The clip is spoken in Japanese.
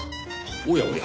おやおや。